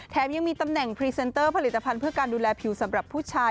ยังมีตำแหน่งพรีเซนเตอร์ผลิตภัณฑ์เพื่อการดูแลผิวสำหรับผู้ชาย